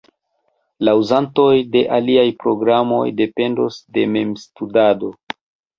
Uzantoj de aliaj programoj dependos de memstudado.